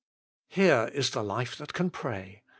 Here is the life that can pray.